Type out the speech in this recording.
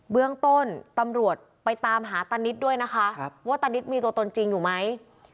เบื้องต้นตำรวจไปตามหาตานิดด้วยนะคะว่าตานิดมีตัวตนจริงอยู่ไหม